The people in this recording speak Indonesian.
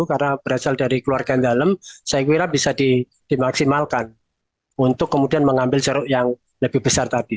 karena berasal dari keluarga yang dalam saya kira bisa dimaksimalkan untuk kemudian mengambil jeruk yang lebih besar tadi